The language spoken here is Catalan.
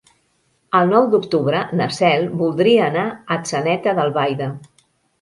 El nou d'octubre na Cel voldria anar a Atzeneta d'Albaida.